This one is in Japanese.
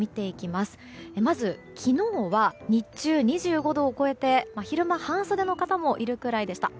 まず、昨日は日中２５度を超えて昼間、半袖の方もいるくらいでした。